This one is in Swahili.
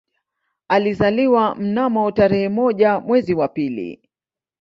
Alizaliwa mnamo tarehe moja mwezi wa pili